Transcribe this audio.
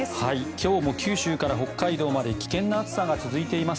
今日も九州から北海道まで危険な暑さが続いています。